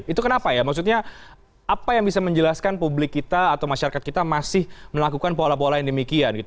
itu kenapa ya maksudnya apa yang bisa menjelaskan publik kita atau masyarakat kita masih melakukan pola pola yang demikian gitu